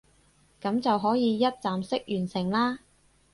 噉就可以一站式完成啦